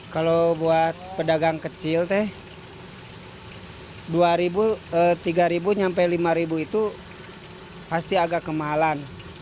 kalau buat pedagang kecil teh rp tiga rp lima itu pasti agak kemahalan